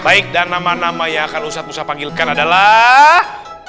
baik dan nama nama yang akan ustadz ustadz panggilkan adalah